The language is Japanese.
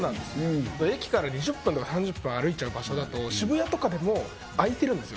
駅から２０分とか３０分歩いちゃう場所だと渋谷とかでも空いてるんですよ